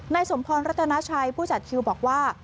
สมพรรัตนาชัยผู้จัดคิวบอกว่า